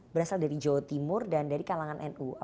berasal dari jawa timur dan dari kalangan nu